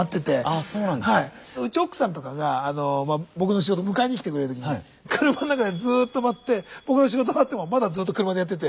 うち奥さんとかが僕の仕事迎えに来てくれる時に車の中でずっと待って僕の仕事終わってもまだずっと車でやってて。